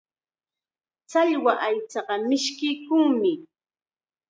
Challwa aychaqa mishkiykunmi.